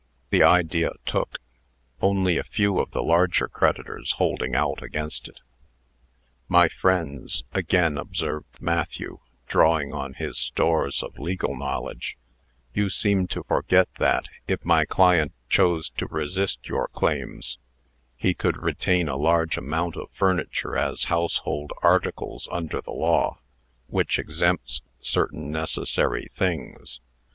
The idea took; only a few of the larger creditors holding out against it. "My friends," again observed Matthew, drawing on his stores of legal knowledge, "you seem to forget that, if my client chose to resist your claims, he could retain a large amount of furniture as household articles under the law, which exempts certain necessary things.